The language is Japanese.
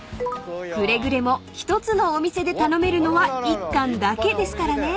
［くれぐれも１つのお店で頼めるのは１貫だけですからね］